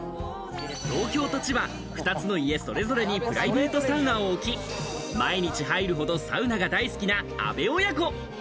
東京と千葉、２つの家それぞれにプライベートサウナを置き、毎日入るほどサウナが大好きな阿部親子。